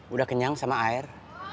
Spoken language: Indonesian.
udah kenyang sama air